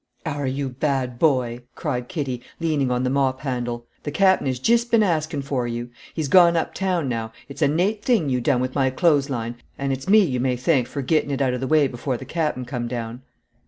"Arrah you bad boy!" cried Kitty, leaning on the mop handle. "The Capen has jist been askin' for you. He's gone up town, now. It's a nate thing you done with my clothes line, and, it's me you may thank for gettin' it out of the way before the Capen come down."